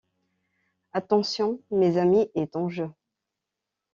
Attention, mes amis, et en joue!...